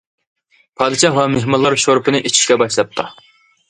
پادىشاھ ۋە مېھمانلار شورپىنى ئىچىشكە باشلاپتۇ.